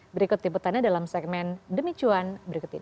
berikut liputannya dalam segmen demi cuan berikut ini